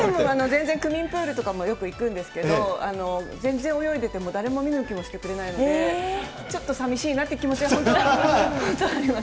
全然区民プールもよく行くんですけど、全然泳いでても、誰も見向きもしてくれないので、ちょっとさみしいなという気持ちはあります。